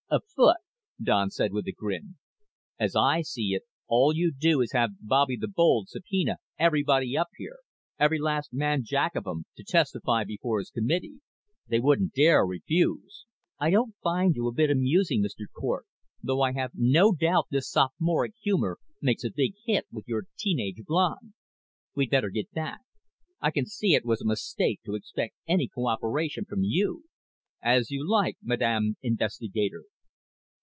" afoot," Don said with a grin. "As I see it, all you do is have Bobby the Bold subpoena everybody up here every last man jack of 'em to testify before his committee. They wouldn't dare refuse." "I don't find you a bit amusing, Mr. Cort, though I have no doubt this sophomoric humor makes a big hit with your teen age blonde. We'd better get back. I can see it was a mistake to expect any co operation from you." "As you like, Madame Investigator."